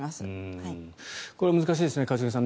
これは難しいですね。